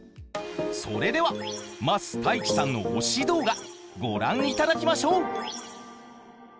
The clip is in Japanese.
それでは桝太一さんの推し動画ご覧いただきましょう！